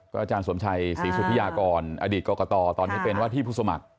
อาจารย์สมชัยศรีสุธิยากรอดีตกรกตตอนนี้เป็นว่าที่ผู้สมัคร